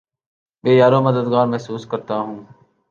بے یارومددگار محسوس کرتا ہوں